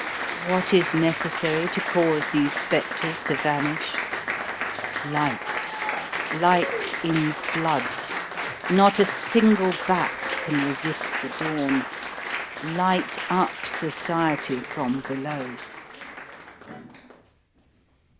What is necessary to cause these spectres to vanish? Light. Light in floods. Not a single bat can resist the dawn. Light up society from below.